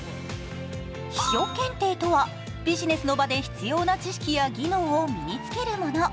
秘書検定とは、ビジネスの場で必要な知識や技能を身に付けるもの。